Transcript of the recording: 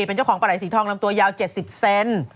เป็นเจ้าของปลาไหลสีทองลำตัวยาว๗๐เซน